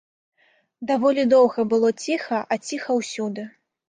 Даволі доўга было ціха а ціха ўсюды.